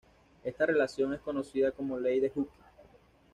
Esta relación es conocida como Ley de Hooke.